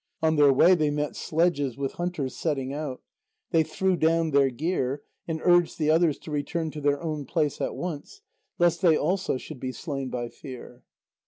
On their way, they met sledges with hunters setting out; they threw down their gear, and urged the others to return to their own place at once, lest they also should be slain by fear.